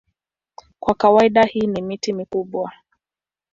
Kwa kawaida hii ni miti mikubwa.